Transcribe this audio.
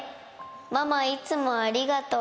ママ、いつもありがとう。